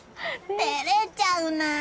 照れちゃうなあ。